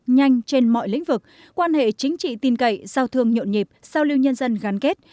nhanh trên mọi lĩnh vực quan hệ chính trị tin cậy giao thương nhộn nhịp giao lưu nhân dân gắn kết